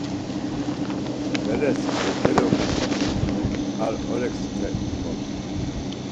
Beres ǩerǩeli okaçun, ar oreksite imxors.